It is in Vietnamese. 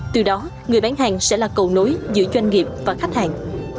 từ đó người bán hàng sẽ là cầu nối giữa doanh nghiệp và khách hàng